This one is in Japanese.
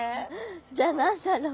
じゃあ何だろう？